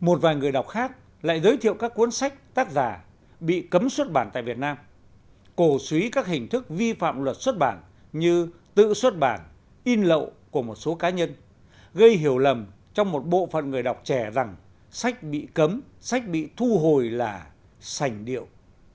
một vài người đọc khác lại giới thiệu các cuốn sách tác giả bị cấm xuất bản tại việt nam cổ suý các hình thức vi phạm luật xuất bản như tự xuất bản in lậu của một số cá nhân gây hiểu lầm trong một bộ phận người đọc trẻ rằng sách bị cấm sách bị thu hồi là sành điệu